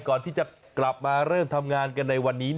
ก่อนที่จะกลับมาเริ่มทำงานกันในวันนี้